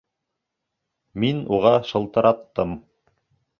Мин уға шылтыраттым.